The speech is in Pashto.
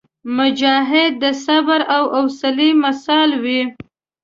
مجاهد د صبر او حوصلي مثال وي.